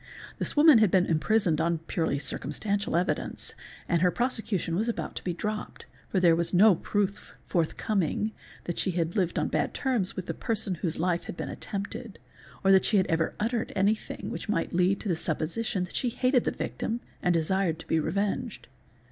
This woman had been imprisoned on purely circumstantial evidence and her prosecution was about to be dropped, for there was no proof forthcoming that she had lived on bad terms with the person whose life had been attempted or that she had ever uttered anything which might lead to the supposition that she hated the victim and desired to be revenged.